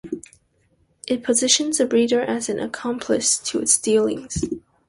It positions the reader as an accomplice to its dealings.